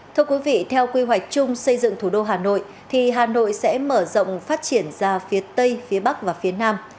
thưa quý vị theo quy hoạch chung xây dựng thủ đô hà nội thì hà nội sẽ mở rộng phát triển ra phía tây phía bắc và phía nam